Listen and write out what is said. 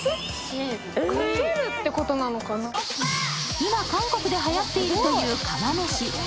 今韓国で、はやっているという釜飯。